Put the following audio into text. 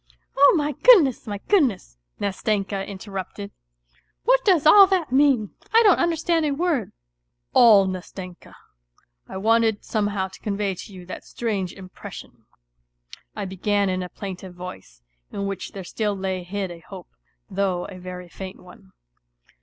..."" Oh my goodness, my goodness," Nastenka interrupted, " what does all that mean ? I don't understand a word." " All, Nastenka, I wanted somehow to convey to you that strange impression. ..." I began in a plaintive voice, in which there still lay hid a hope, though a very faint one.